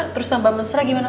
terus tambah mesra gimana